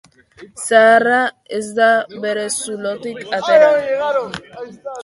Zaharra ez da bere zulotik atera?